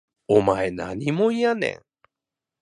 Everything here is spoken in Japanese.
お前何もんやねん